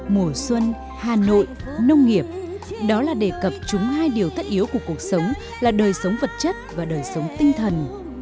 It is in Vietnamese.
mùa xuân hà nội nông nghiệp đó là đề cập chúng hai điều thất yếu của cuộc sống là đời sống vật chất và đời sống tinh thần